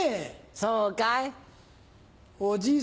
そうかい？